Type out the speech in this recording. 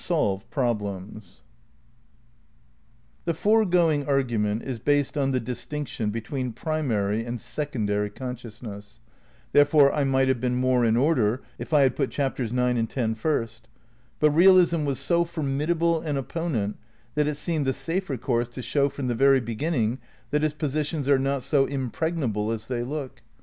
xn SUMMARY The foregoing argument is based on the distinction between Primary and Secondary Consciousness. There The Un f ore I might have been more in order if I had put Chap ^l^ ters IX and X first. But realism was so formidable an le™^ opponent that it seemed the safer course to show from the very beginning that its positions are not so impreg nable as they look.